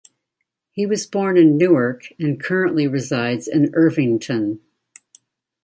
He was born in Newark, and currently resides in Irvington.